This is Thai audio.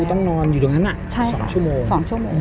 คือต้องนอนอยู่ตรงนั้นน่ะ๒ชั่วโมง